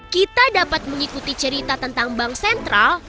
kita dapat mengikuti cerita tentang bank sentral